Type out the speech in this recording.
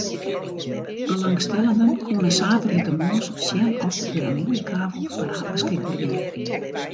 Belangstellenden koene saterdeitemoarn sjen oft der in moaie kavel foar har beskikber wie.